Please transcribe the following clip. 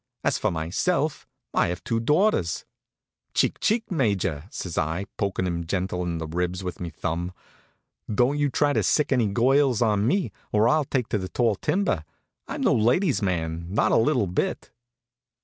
As for myself, I have two daughters " "Chic, chic, Major!" says I, pokin' him gentle in the ribs with me thumb. "Don't you try to sick any girls on me, or I'll take to the tall timber. I'm no lady's man, not a little bit."